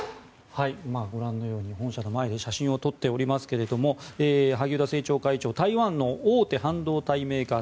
ご覧のように本社の前で写真を撮っておりますが萩生田政調会長台湾の大手半導体メーカー